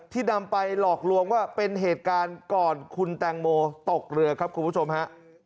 นำไปหลอกลวงว่าเป็นเหตุการณ์ก่อนคุณแตงโมตกเรือครับคุณผู้ชมฮะ